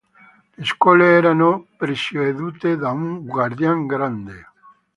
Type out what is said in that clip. Le Scuole erano presiedute da un "Guardian Grande".